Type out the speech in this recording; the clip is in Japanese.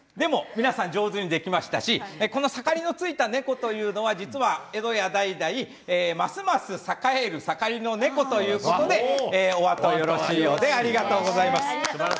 皆さん上手にできましたしこの盛りのついた猫というのは実は江戸家代々ますます栄える盛りの猫、ということでこのあとがよろしいようで。